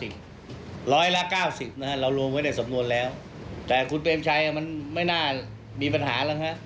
๑๐๐หลัก๙๐เราลงไว้ได้สำนวนแล้วแต่คุณเบรงชัยมันไม่น่ามีปัญหาวะ